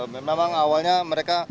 memang awalnya mereka